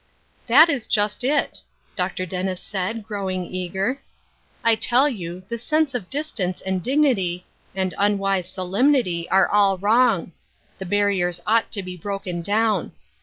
" That is just it,' Dr. Dennis said, growing eager. "I tell you, this sense o^ distance and dignity, and unwise solemnity, * re all wrong, riie barriers ought to be broken down.